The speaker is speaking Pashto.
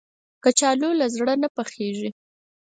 کچالو له زړه نه پخېږي